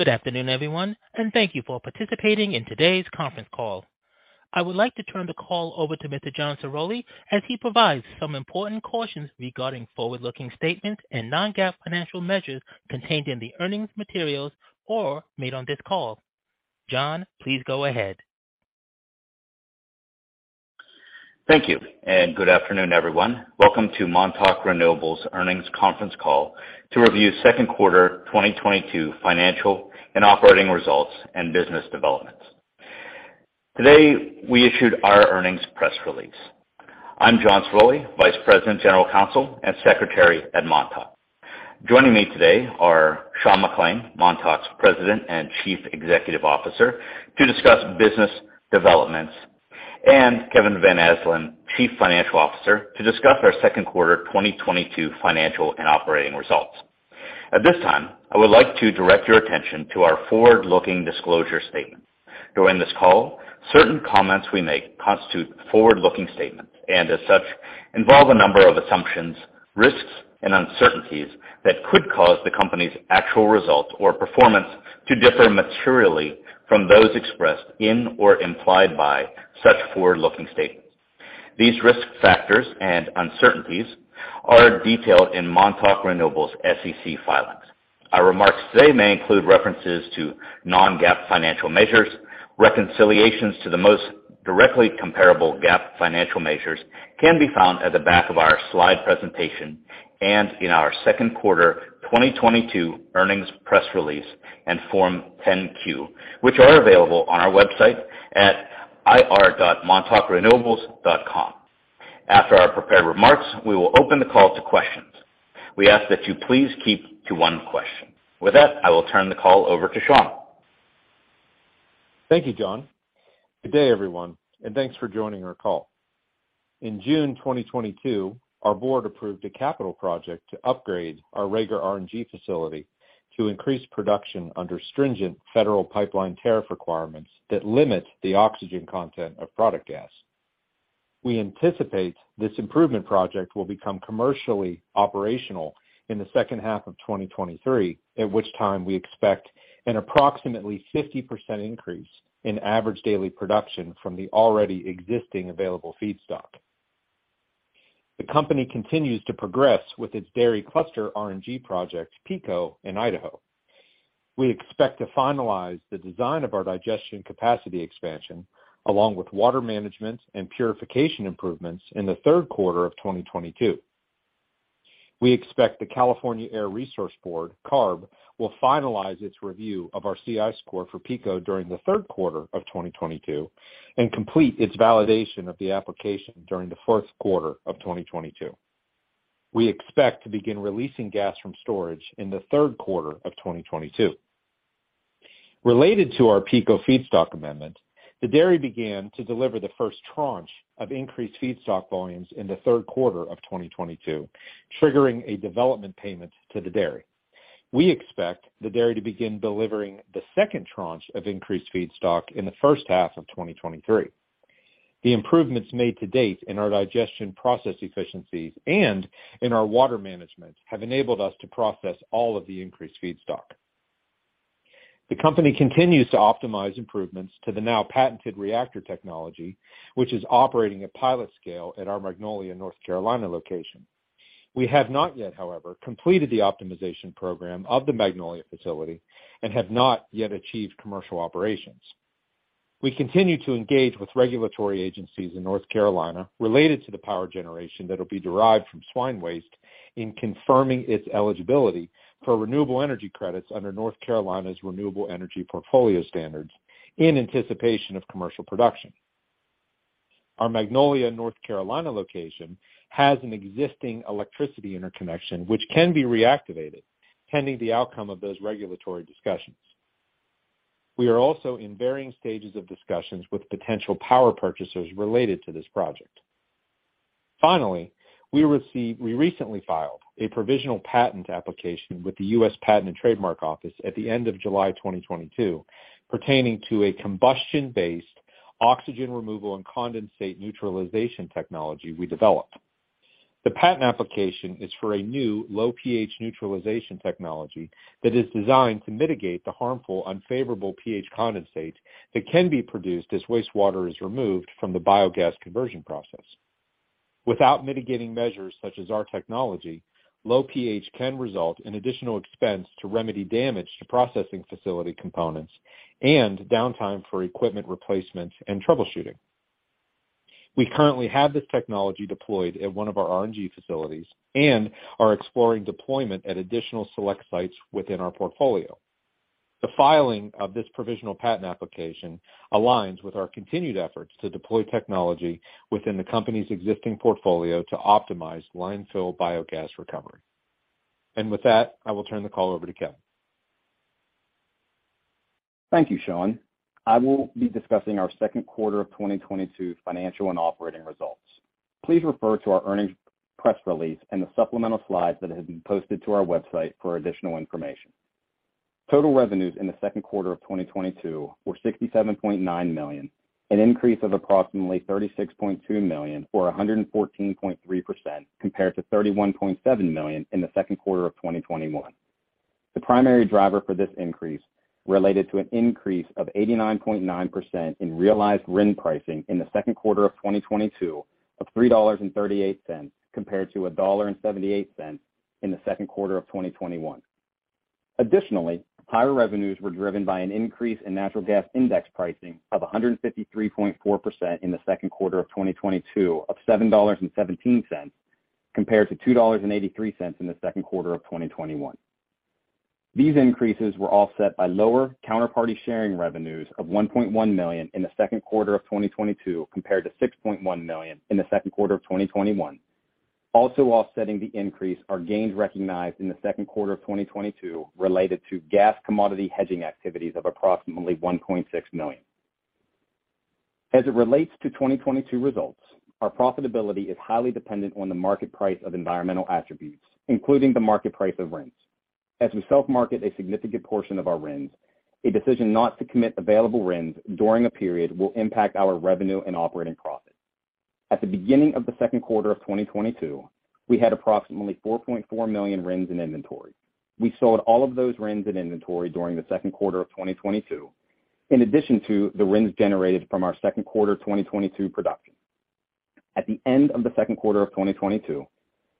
Good afternoon, everyone, and thank you for participating in today's conference call. I would like to turn the call over to Mr. John Ciroli as he provides some important cautions regarding forward-looking statements and non-GAAP financial measures contained in the earnings materials or made on this call. John, please go ahead. Thank you, and good afternoon, everyone. Welcome to Montauk Renewables earnings conference call to review second quarter 2022 financial and operating results and business developments. Today, we issued our earnings press release. I'm John Ciroli, Vice President, General Counsel, and Secretary at Montauk. Joining me today are Sean McClain, Montauk's President and Chief Executive Officer, to discuss business developments, and Kevin Van Asdalan, Chief Financial Officer, to discuss our second quarter 2022 financial and operating results. At this time, I would like to direct your attention to our forward-looking disclosure statement. During this call, certain comments we make constitute forward-looking statements and as such, involve a number of assumptions, risks, and uncertainties that could cause the company's actual results or performance to differ materially from those expressed in or implied by such forward-looking statements. These risk factors and uncertainties are detailed in Montauk Renewables' SEC filings. Our remarks today may include references to non-GAAP financial measures. Reconciliations to the most directly comparable GAAP financial measures can be found at the back of our slide presentation and in our second quarter 2022 earnings press release and Form 10-Q, which are available on our website at ir.montaukrenewables.com. After our prepared remarks, we will open the call to questions. We ask that you please keep to one question. With that, I will turn the call over to Sean. Thank you, John. Good day, everyone, and thanks for joining our call. In June 2022, our board approved a capital project to upgrade our Rager RNG facility to increase production under stringent federal pipeline tariff requirements that limit the oxygen content of product gas. We anticipate this improvement project will become commercially operational in the second half of 2023, at which time we expect an approximately 50% increase in average daily production from the already existing available feedstock. The company continues to progress with its dairy cluster RNG project, Pico, in Idaho. We expect to finalize the design of our digestion capacity expansion, along with water management and purification improvements in the third quarter of 2022. We expect the California Air Resources Board, CARB, will finalize its review of our CI score for Pico during the third quarter of 2022 and complete its validation of the application during the fourth quarter of 2022. We expect to begin releasing gas from storage in the third quarter of 2022. Related to our Pico feedstock amendment, the dairy began to deliver the first tranche of increased feedstock volumes in the third quarter of 2022, triggering a development payment to the dairy. We expect the dairy to begin delivering the second tranche of increased feedstock in the first half of 2023. The improvements made to date in our digestion process efficiencies and in our water management have enabled us to process all of the increased feedstock. The company continues to optimize improvements to the now patented reactor technology, which is operating at pilot scale at our Magnolia, North Carolina location. We have not yet, however, completed the optimization program of the Magnolia facility and have not yet achieved commercial operations. We continue to engage with regulatory agencies in North Carolina related to the power generation that will be derived from swine waste in confirming its eligibility for renewable energy credits under North Carolina's Renewable Energy Portfolio Standard in anticipation of commercial production. Our Magnolia, North Carolina location has an existing electricity interconnection, which can be reactivated pending the outcome of those regulatory discussions. We are also in varying stages of discussions with potential power purchasers related to this project. Finally, we recently filed a provisional patent application with the U.S. Patent and Trademark Office at the end of July 2022 pertaining to a combustion-based oxygen removal and condensate neutralization technology we developed. The patent application is for a new low pH neutralization technology that is designed to mitigate the harmful unfavorable pH condensate that can be produced as wastewater is removed from the biogas conversion process. Without mitigating measures such as our technology, low pH can result in additional expense to remedy damage to processing facility components and downtime for equipment replacements and troubleshooting. We currently have this technology deployed at one of our RNG facilities and are exploring deployment at additional select sites within our portfolio. The filing of this provisional patent application aligns with our continued efforts to deploy technology within the company's existing portfolio to optimize landfill biogas recovery. With that, I will turn the call over to Kevin. Thank you, Sean. I will be discussing our second quarter of 2022 financial and operating results. Please refer to our earnings press release and the supplemental slides that have been posted to our website for additional information. Total revenues in the second quarter of 2022 were $67.9 million. An increase of approximately $36.2 million or 114.3% compared to $31.7 million in the second quarter of 2021. The primary driver for this increase related to an increase of 89.9% in realized RIN pricing in the second quarter of 2022 of $3.38 compared to $1.78 in the second quarter of 2021. Higher revenues were driven by an increase in natural gas index pricing of 153.4% in the second quarter of 2022 of $7.17 compared to $2.83 in the second quarter of 2021. These increases were offset by lower counterparty sharing revenues of $1.1 million in the second quarter of 2022 compared to $6.1 million in the second quarter of 2021. Also offsetting the increase are gains recognized in the second quarter of 2022 related to gas commodity hedging activities of approximately $1.6 million. As it relates to 2022 results, our profitability is highly dependent on the market price of environmental attributes, including the market price of RINS. As we self-market a significant portion of our RINS, a decision not to commit available RINS during a period will impact our revenue and operating profit. At the beginning of the second quarter of 2022, we had approximately 4.4 million RINS in inventory. We sold all of those RINS in inventory during the second quarter of 2022, in addition to the RINS generated from our second quarter 2022 production. At the end of the second quarter of 2022,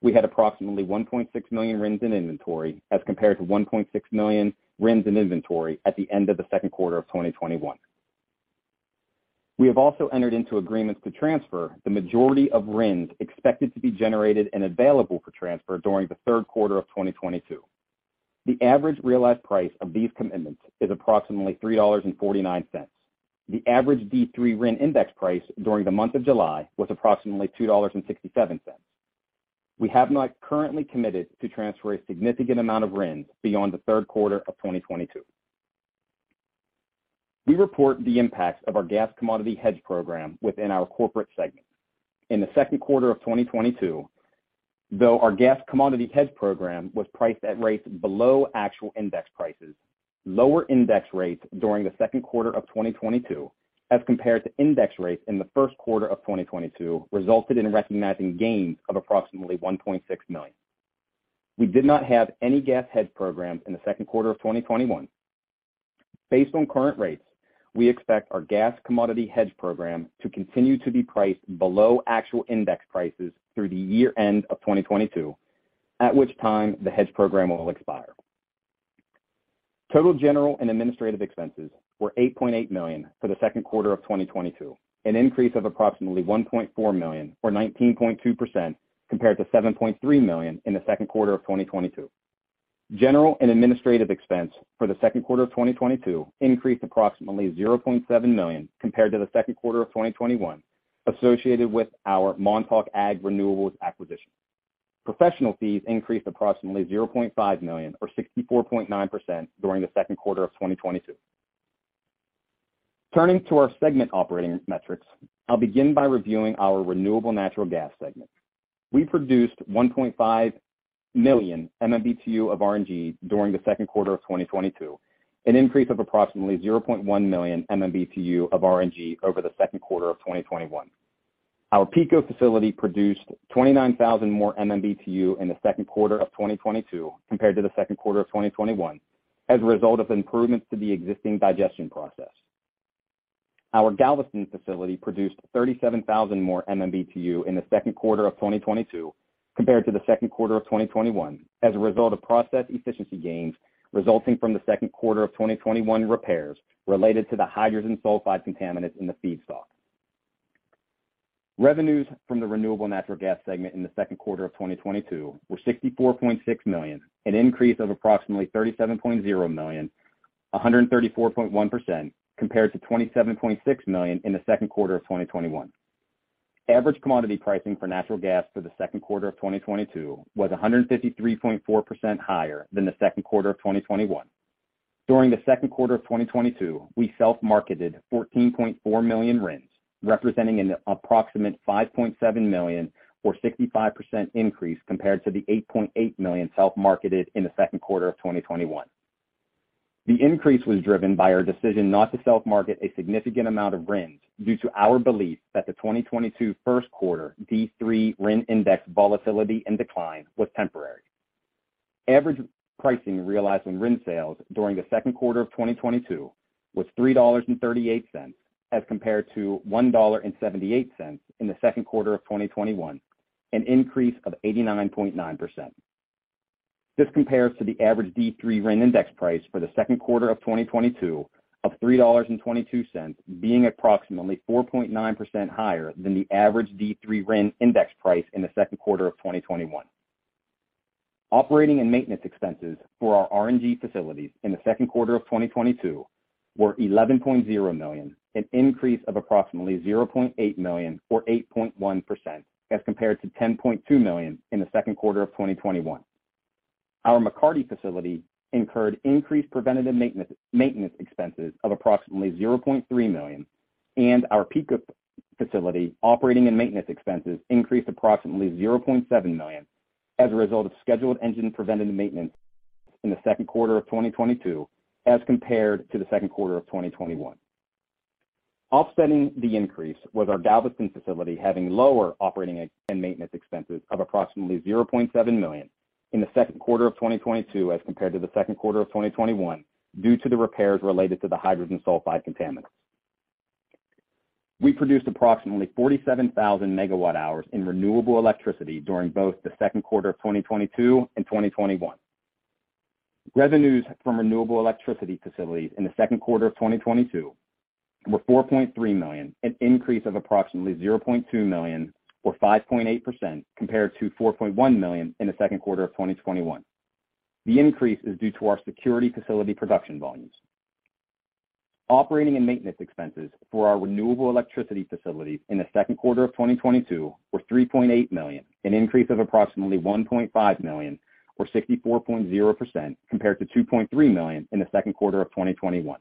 we had approximately 1.6 million RINS in inventory as compared to 1.6 million RINS in inventory at the end of the second quarter of 2021. We have also entered into agreements to transfer the majority of RINS expected to be generated and available for transfer during the third quarter of 2022. The average realized price of these commitments is approximately $3.49. The average D3 RIN index price during the month of July was approximately $2.67. We have not currently committed to transfer a significant amount of RINS beyond the third quarter of 2022. We report the impacts of our gas commodity hedge program within our corporate segment. In the second quarter of 2022, though our gas commodity hedge program was priced at rates below actual index prices, lower index rates during the second quarter of 2022 as compared to index rates in the first quarter of 2022 resulted in recognizing gains of approximately $1.6 million. We did not have any gas hedge program in the second quarter of 2021. Based on current rates, we expect our gas commodity hedge program to continue to be priced below actual index prices through the year end of 2022, at which time the hedge program will expire. Total general and administrative expenses were $8.8 million for the second quarter of 2022, an increase of approximately $1.4 million or 19.2% compared to $7.3 million in the second quarter of 2022. General and administrative expense for the second quarter of 2022 increased approximately $0.7 million compared to the second quarter of 2021 associated with our Montauk Ag Renewables acquisition. Professional fees increased approximately $0.5 million or 64.9% during the second quarter of 2022. Turning to our segment operating metrics, I'll begin by reviewing our renewable natural gas segment. We produced 1.5 million MMBtu of RNG during the second quarter of 2022, an increase of approximately 0.1 million MMBtu of RNG over the second quarter of 2021. Our Pico facility produced 29,000 more MMBtu in the second quarter of 2022 compared to the second quarter of 2021 as a result of improvements to the existing digestion process. Our Galveston facility produced 37,000 more MMBtu in the second quarter of 2022 compared to the second quarter of 2021 as a result of process efficiency gains resulting from the second quarter of 2021 repairs related to the hydrogen sulfide contaminants in the feedstock. Revenues from the renewable natural gas segment in the second quarter of 2022 were $64.6 million, an increase of approximately $37.0 million, 134.1% compared to $27.6 million in the second quarter of 2021. Average commodity pricing for natural gas for the second quarter of 2022 was 153.4% higher than the second quarter of 2021. During the second quarter of 2022, we self-marketed 14.4 million RINs, representing an approximate 5.7 million or 65% increase compared to the 8.8 million self-marketed in the second quarter of 2021. The increase was driven by our decision not to self-market a significant amount of RINs due to our belief that the 2022 first quarter D3 RIN index volatility and decline was temporary. Average pricing realized in RIN sales during the second quarter of 2022 was $3.38 as compared to $1.78 in the second quarter of 2021, an increase of 89.9%. This compares to the average D3 RIN index price for the second quarter of 2022 of $3.22 being approximately 4.9% higher than the average D3 RIN index price in the second quarter of 2021. Operating and maintenance expenses for our RNG facilities in the second quarter of 2022 were $11.0 million, an increase of approximately $0.8 million or 8.1% as compared to $10.2 million in the second quarter of 2021. Our McCarty facility incurred increased preventative maintenance expenses of approximately $0.3 million, and our Pico facility operating and maintenance expenses increased approximately $0.7 million as a result of scheduled engine preventative maintenance. In the second quarter of 2022 as compared to the second quarter of 2021. Offsetting the increase was our Galveston facility having lower operating and maintenance expenses of approximately $0.7 million in the second quarter of 2022 as compared to the second quarter of 2021 due to the repairs related to the hydrogen sulfide contaminants. We produced approximately 47,000 MWh in renewable electricity during both the second quarter of 2022 and 2021. Revenues from renewable electricity facilities in the second quarter of 2022 were $4.3 million, an increase of approximately $0.2 million or 5.8% compared to $4.1 million in the second quarter of 2021. The increase is due to our Secaucus facility production volumes. Operating and maintenance expenses for our renewable electricity facilities in the second quarter of 2022 were $3.8 million, an increase of approximately $1.5 million or 64.0% compared to $2.3 million in the second quarter of 2021.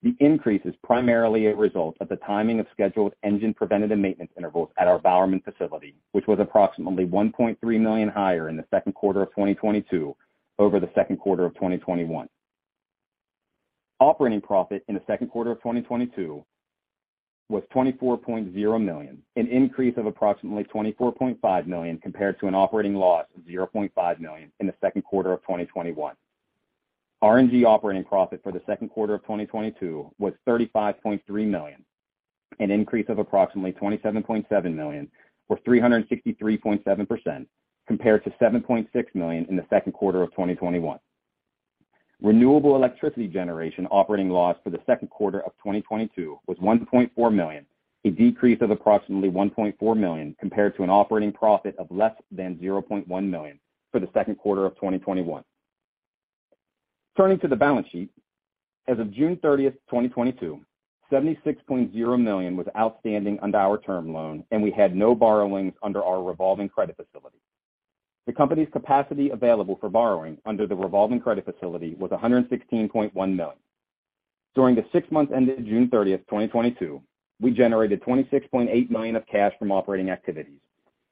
The increase is primarily a result of the timing of scheduled engine preventative maintenance intervals at our Bowerman Facility, which was approximately $1.3 million higher in the second quarter of 2022 over the second quarter of 2021. Operating profit in the second quarter of 2022 was $24.0 million, an increase of approximately $24.5 million compared to an operating loss of $0.5 million in the second quarter of 2021. RNG operating profit for the second quarter of 2022 was $35.3 million, an increase of approximately $27.7 million or 363.7% compared to $7.6 million in the second quarter of 2021. Renewable electricity generation operating loss for the second quarter of 2022 was $1.4 million, a decrease of approximately $1.4 million compared to an operating profit of less than $0.1 million for the second quarter of 2021. Turning to the balance sheet. As of June 30th, 2022, $76.0 million was outstanding under our term loan, and we had no borrowings under our revolving credit facility. The company's capacity available for borrowing under the revolving credit facility was $116.1 million. During the six months ended June 30th, 2022, we generated $26.8 million of cash from operating activities,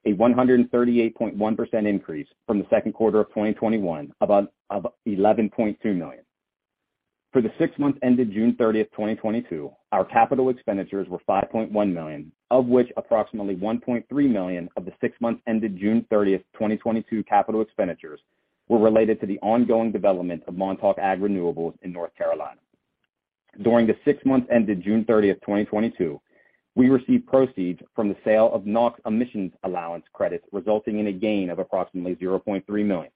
a 138.1% increase from the second quarter of 2021 of $11.2 Million. For the six months ended June 30th, 2022, our capital expenditures were $5.1 million, of which approximately $1.3 million of the six months ended June 30th, 2022 capital expenditures were related to the ongoing development of Montauk Ag Renewables in North Carolina. During the six months ended June 30th, 2022, we received proceeds from the sale of NOx emissions allowance credits, resulting in a gain of approximately $0.3 million.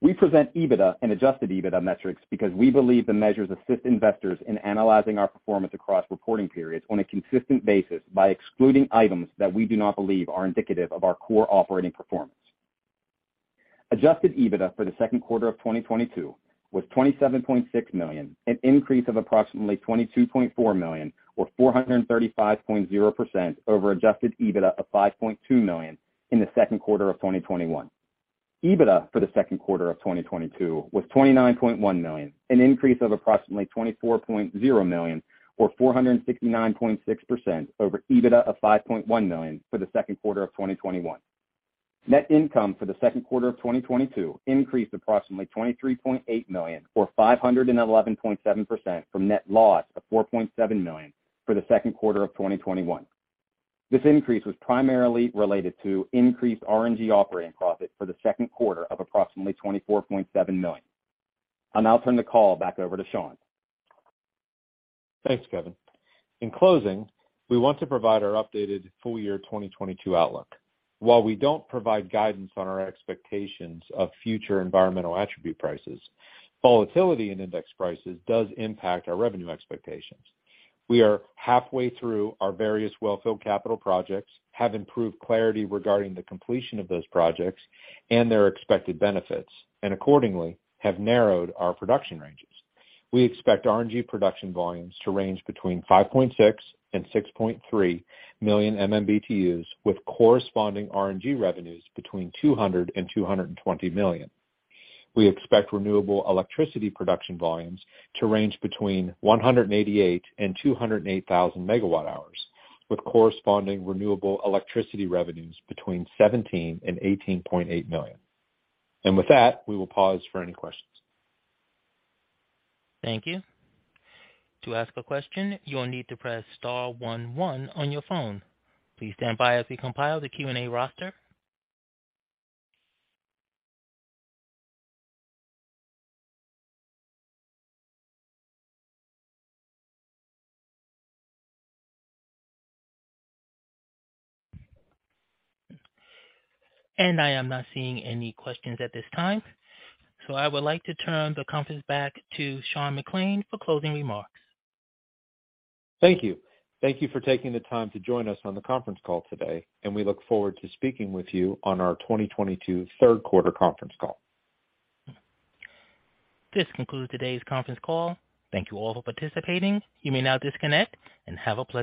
We present EBITDA and adjusted EBITDA metrics because we believe the measures assist investors in analyzing our performance across reporting periods on a consistent basis by excluding items that we do not believe are indicative of our core operating performance. Adjusted EBITDA for the second quarter of 2022 was $27.6 million, an increase of approximately $22.4 million or 435.0% over adjusted EBITDA of $5.2 million in the second quarter of 2021. EBITDA for the second quarter of 2022 was $29.1 million, an increase of approximately $24.0 million or 469.6% over EBITDA of $5.1 million for the second quarter of 2021. Net income for the second quarter of 2022 increased approximately $23.8 million or 511.7% from net loss of $4.7 million for the second quarter of 2021. This increase was primarily related to increased RNG operating profit for the second quarter of approximately $24.7 million. I'll now turn the call back over to Sean. Thanks, Kevin. In closing, we want to provide our updated full year 2022 outlook. While we don't provide guidance on our expectations of future environmental attribute prices, volatility in index prices does impact our revenue expectations. We are halfway through our various wellfield capital projects, have improved clarity regarding the completion of those projects and their expected benefits, and accordingly have narrowed our production ranges. We expect RNG production volumes to range between 5.6 and 6.3 million MMBtu, with corresponding RNG revenues between $200 million and $220 million. We expect renewable electricity production volumes to range between 188,000 and 208,000 MWh, with corresponding renewable electricity revenues between $17 million and $18.8 million. With that, we will pause for any questions. Thank you. To ask a question, you will need to press star one one on your phone. Please stand by as we compile the Q&A roster. I am not seeing any questions at this time, so I would like to turn the conference back to Sean McClain for closing remarks. Thank you. Thank you for taking the time to join us on the conference call today, and we look forward to speaking with you on our 2022 third quarter conference call. This concludes today's conference call. Thank you all for participating. You may now disconnect and have a pleasant day.